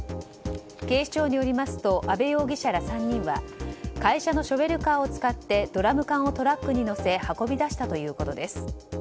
警視庁によりますと阿部容疑者ら３人は会社のショベルカーを使ってドラム缶をトラックに載せ運び出したということです。